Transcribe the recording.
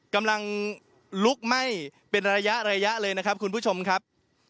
กำลังลุกไหม้เป็นระยะระยะเลยนะครับคุณผู้ชมครับ